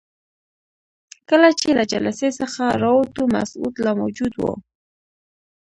کله چې له جلسې څخه راووتو مسعود لا موجود وو.